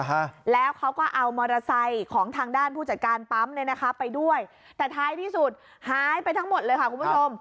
ฮะแล้วเขาก็เอามอเตอร์ไซค์ของทางด้านผู้จัดการปั๊มเนี้ยนะคะไปด้วยแต่ท้ายที่สุดหายไปทั้งหมดเลยค่ะคุณผู้ชม